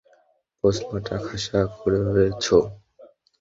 প্রশ্নটা খাসা করেছ।